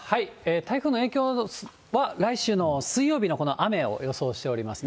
台風の影響は来週の水曜日のこの雨を予想しております。